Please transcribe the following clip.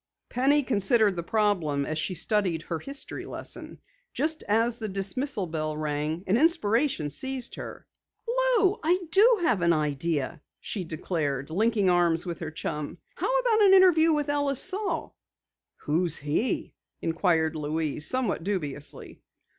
Penny considered the problem as she studied her history lesson. Just as the dismissal bell rang an inspiration seized her. "Lou, I do have an idea!" she declared, linking arms with her chum. "How about an interview with Ellis Saal?" "Who is he?" inquired Louise, somewhat dubiously.